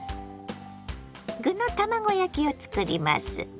具の卵焼きを作ります。